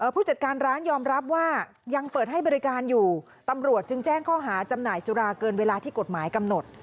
ผู้จัดการร้านยอมรับว่ายังเปิดให้บริการอยู่ตำรวจจึงแจ้งข้อหาจำหน่ายสุราเกินเวลาที่กฎหมายกำหนด